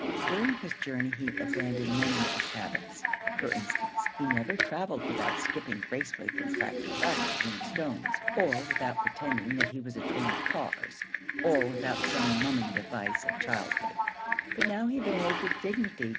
During this journey he abandoned many of his habits. For instance, he never travelled without skipping gracefully from crack to crack between the stones, or without pretending that he was a train of cars, or without some mumming device of childhood. But now he behaved with dignity.